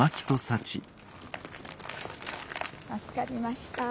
助かりました。